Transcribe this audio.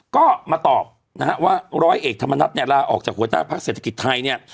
ก็มาตอบว่าร้อยเอกธรรมนัดลาออกจากหัวหน้าภักดิ์เศรษฐกิจไทย